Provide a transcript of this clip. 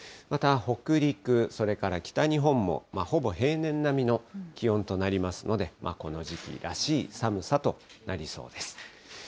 また北陸、それから北日本もほぼ平年並みの気温となりますので、この時期らしい寒さとなりそうです。